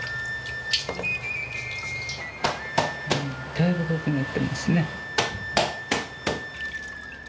だいぶ濃くなってますね。